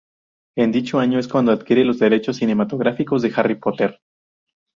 En dicho año es cuando adquiere los derechos cinematográficos de "Harry Potter".